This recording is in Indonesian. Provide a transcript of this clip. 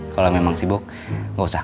kalau memang sibuk ya